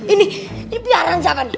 ini ini biaran siapa nih